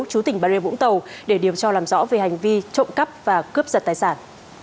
chú tỉnh bà rê vũng tàu để điều tra làm rõ về hành vi trộm cắp và cướp giật tài sản